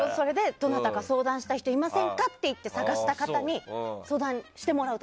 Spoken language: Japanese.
どなたか相談したい人いませんかと言って、探した人に相談してもらうと。